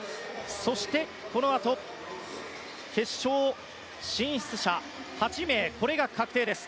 そして、このあと決勝進出者８名これが確定です。